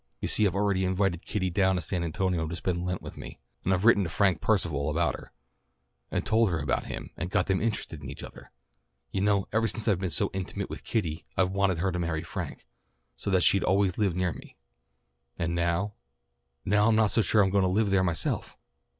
You see I've already invited Kitty down to San Antonio to spend Lent with me, and I've written to Frank Percival about her, and told her about him and got them interested in each other. You know ever since I've been so intimate with Kitty I've wanted her to marry Frank, so that she'd always live near me. And now now I'm not so sure that I'm going to live there myself."